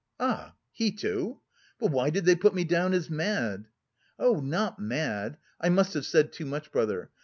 "Ah!... he too... but why did they put me down as mad?" "Oh, not mad. I must have said too much, brother....